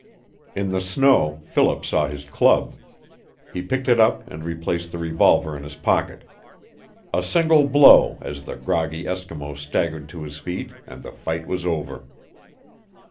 In the snow Philip saw his club. He picked it up and replaced the revolver in his pocket. A single blow as the groggy Eskimo staggered to his feet and the fight was over.